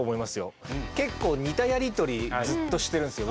結構似たやり取りずっとしてるんですよ